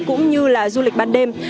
cũng như là du lịch ban đêm